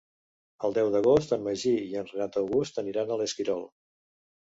El deu d'agost en Magí i en Renat August aniran a l'Esquirol.